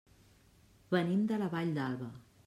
Venim de la Vall d'Alba.